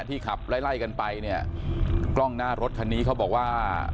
ขับไล่ไล่กันไปเนี่ยกล้องหน้ารถคันนี้เขาบอกว่า